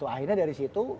akhirnya dari situ